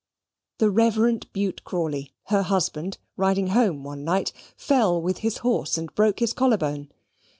The Reverend Bute Crawley, her husband, riding home one night, fell with his horse and broke his collar bone.